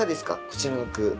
こちらの句。